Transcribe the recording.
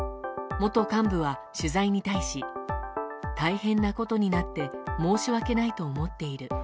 元幹部は、取材に対し大変なことになって申し訳ないと思っている。